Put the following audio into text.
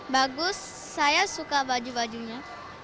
bagus saya suka baju bajunya